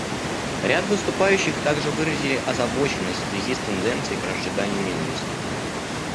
Ряд выступающих также выразили озабоченность в связи с тенденцией к разжиганию ненависти.